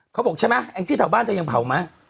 เขาบอกใช่มั้ยแอ่งที่เถ่าบ้านจะยังเผามั้ย